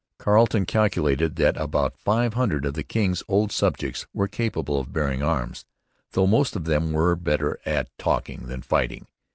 Carleton calculated that about five hundred of 'the King's Old Subjects' were capable of bearing arms; though most of them were better at talking than fighting.